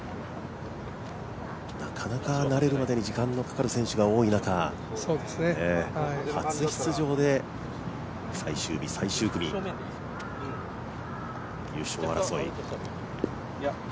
なかなか慣れるまでに時間のかかる選手が多い中初出場で最終日、最終組、優勝争い。